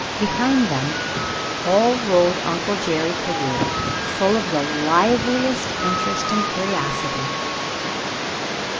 Behind them all rode Uncle Jerry Carew, full of the liveliest interest and curiosity.